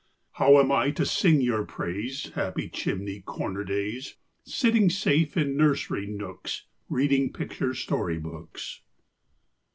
How am I to sing your praise, Happy chimney corner days, Sitting safe in nursery nooks, Reading picture story books?